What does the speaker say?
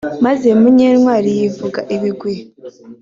maze Munyentwari yivuga ibigwi